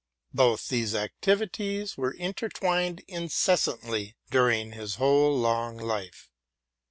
Both these activities were intertwined incessantly during his whole long life.